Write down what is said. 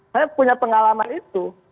saya punya pengalaman itu